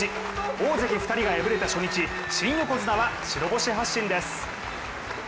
大関２人が敗れた初日新横綱は白星発進です。